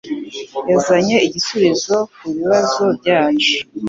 yazanye igisubizo kubibazo byacu.